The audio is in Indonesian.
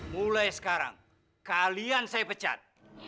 mulai sekarang kalian saya pecat